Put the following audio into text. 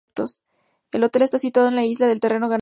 El hotel está situado en una isla de terreno ganado al mar.